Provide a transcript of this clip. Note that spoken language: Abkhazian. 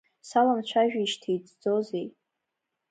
Саламцәажәеишьҭеи иҵӡозеи.